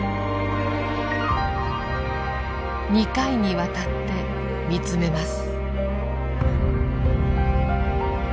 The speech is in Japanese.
２回にわたって見つめます。